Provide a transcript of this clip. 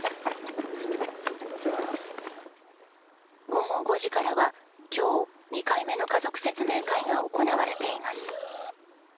午後５時からは今日２回目の家族説明会が行われています。